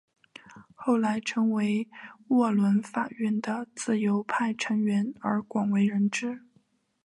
后来成为沃伦法院的自由派成员而广为人知。